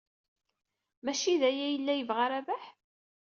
Maci d aya ay yella yebɣa Rabaḥ?